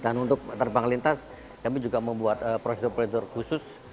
dan untuk terbang lintas kami juga membuat proses pelintir khusus